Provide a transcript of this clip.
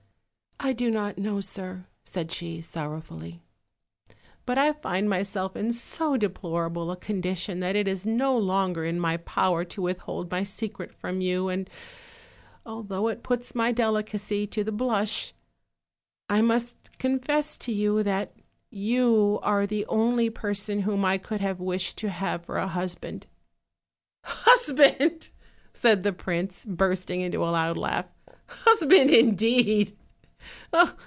"I do not know, sir," said she sorrowfully; "but I find myself in so deplorable a condition that it is no longer in my power to withhold my secret from you, and although it puts my delicacy to the blush, I must confess to you that you are the only person whom I could have wished to have for my husband." "Husband!" said the prince, bursting into a loud laugh "husband indeed!